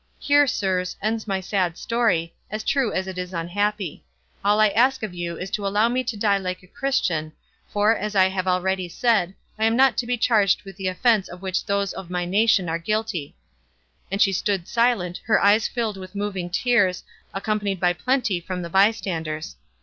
Here, sirs, ends my sad story, as true as it is unhappy; all I ask of you is to allow me to die like a Christian, for, as I have already said, I am not to be charged with the offence of which those of my nation are guilty;" and she stood silent, her eyes filled with moving tears, accompanied by plenty from the bystanders.